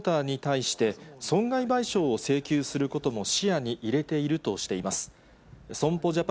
しらかわ社長はビッグモーターに対して、損害賠償を請求することも視野に入れているとしています。